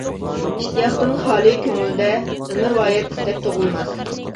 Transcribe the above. ئىشتىياقتىن خالى كۆڭۈلدە، ئۆمۈرۋايەت ئىستەك تۇغۇلماس.